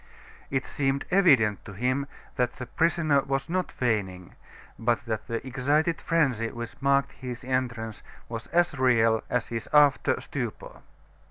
It seemed evident to him that the prisoner was not feigning, but that the excited frenzy which marked his entrance was as real as his after stupor.